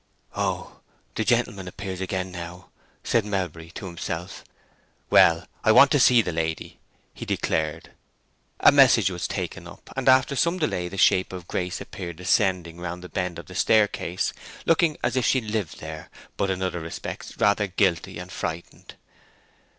"Oh, the gentleman appears again now," said Melbury to himself. "Well, I want to see the lady," he declared. A message was taken up, and after some delay the shape of Grace appeared descending round the bend of the stair case, looking as if she lived there, but in other respects rather guilty and frightened.